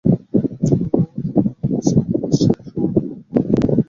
রানা অমরসিংহ বাদশাহের সম্মান গ্রহণ করিলেন।